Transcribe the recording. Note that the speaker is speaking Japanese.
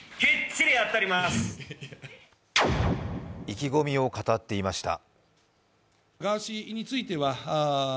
意気込みを語っていました。